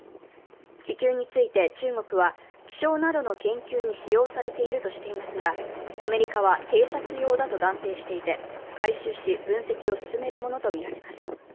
気球について中国は、気象などの研究に使用されているとしていますがアメリカは偵察用だと断定していて、回収し、分析を進めるものとみられます。